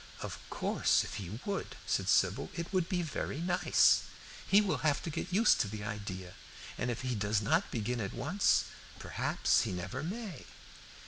"Of course, if he would," said Sybil, "it would be very nice. He will have to get used to the idea, and if he does not begin at once, perhaps he never may."